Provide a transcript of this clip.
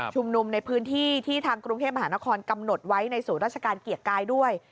ในพื้นที่ที่ทางกรุงเทพมหานครกำหนดไว้ในศูนย์ราชการเกียรติกายด้วย